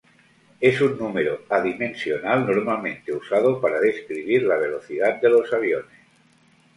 Es un número adimensional normalmente usado para describir la velocidad de los aviones.